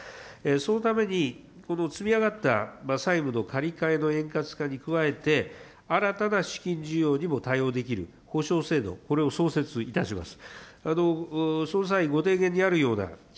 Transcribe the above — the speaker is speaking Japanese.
そのために、この積み上がった債務の借り換えの円滑化に加えて、新たな資金需要にも対応できる保障制度、これを創設いたします。